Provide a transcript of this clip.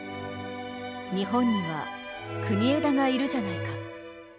「日本には国枝がいるじゃないか」。